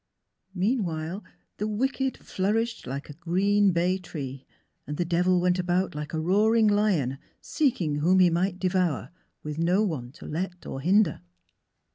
Meanwhile the wicked flour ished like a green bay tree, and the Devil went about like a roaring lion, seeking whom he might devour, with no one to let or hinder.